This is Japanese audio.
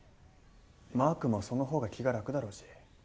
まークンもそのほうが気が楽だろうし。